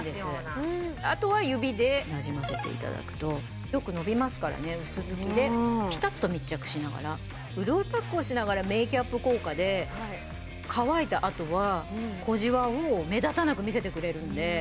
あとは指でなじませていただくとよくのびますからね薄づきでピタっと密着しながら潤いパックをしながらメーキャップ効果で乾いた後は小じわを目立たなく見せてくれるんで。